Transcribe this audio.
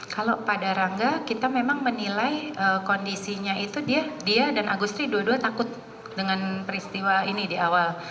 kalau pada rangga kita memang menilai kondisinya itu dia dan agustri dua dua takut dengan peristiwa ini di awal